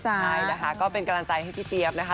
ใช่นะคะก็เป็นกำลังใจให้พี่เจี๊ยบนะคะ